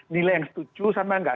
nilai yang setuju sama nggak